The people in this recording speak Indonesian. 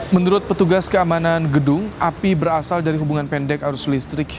menurut petugas keamanan gedung api berasal dari hubungan pendek arus listrik